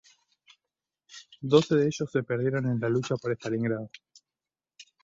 Doce de ellos se perdieron en la lucha por Stalingrado.